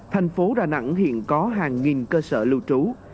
thành phố đà nẵng hiện có hàng nghìn cơ sở lưu trú